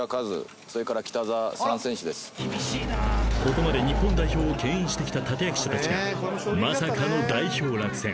［ここまで日本代表をけん引してきた立役者たちがまさかの代表落選］